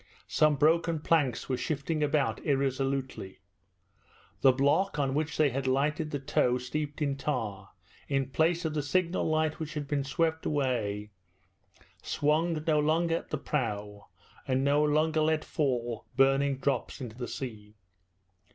Some broken planks were shifting about irresolutely. The block on which they had lighted the tow steeped in tar, in place of the signal light which had been swept away, swung no longer at the prow, and no longer let fall burning drops into the sea.